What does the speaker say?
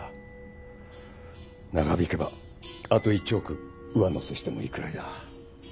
長引けばあと１億上乗せしてもいいくらいだ。